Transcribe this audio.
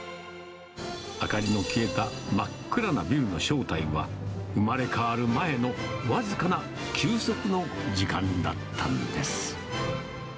明かりの消えた真っ黒なビルの正体は、生まれ変わる前の僅かな休息の時間だったんです。